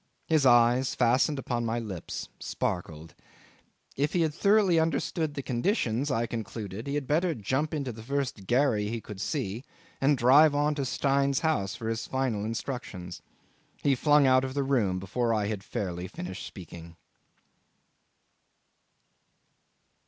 His eyes, fastened upon my lips, sparkled. If he had thoroughly understood the conditions, I concluded, he had better jump into the first gharry he could see and drive on to Stein's house for his final instructions. He flung out of the room before I had fairly finished speaking.